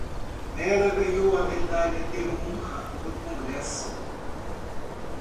Ela ganhou a Medalha de Honra do Congresso!